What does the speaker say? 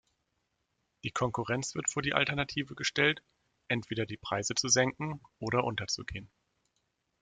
Die Konkurrenz wird vor die Alternative gestellt, entweder die Preise zu senken oder unterzugehen.